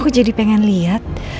aku jadi pengen lihat